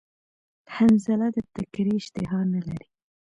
حنظله د تکری اشتها نلری